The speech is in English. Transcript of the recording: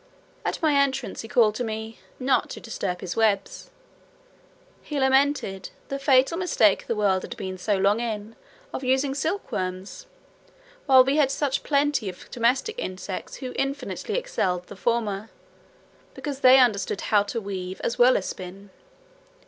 At my entrance, he called aloud to me, "not to disturb his webs." He lamented "the fatal mistake the world had been so long in, of using silkworms, while we had such plenty of domestic insects who infinitely excelled the former, because they understood how to weave, as well as spin."